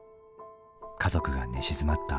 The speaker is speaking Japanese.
家族が寝静まったあと。